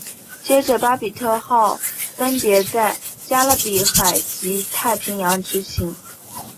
接着巴比特号分别在加勒比海及太平洋执勤。